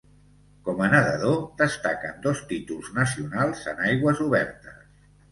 Com a nedador destaquen dos títols nacionals en aigües obertes.